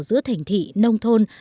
giữa thành thị nông thôn